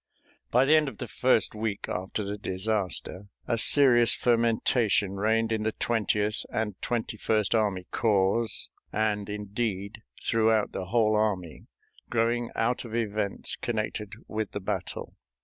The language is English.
By the end of the first week after the disaster a serious fermentation reigned in the Twentieth and Twenty first Army Corps, and, indeed, throughout the whole army, growing out of events connected with the battle.